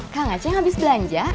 kak ngaceng habis belanja